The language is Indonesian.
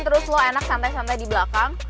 terus lo enak santai santai di belakang